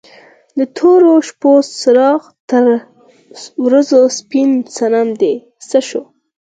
د تورو شپو څراغ تر ورځو سپین صنم دې څه شو؟